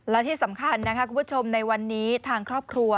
และที่สำคัญนะคะคุณผู้ชมในวันนี้ทางครอบครัว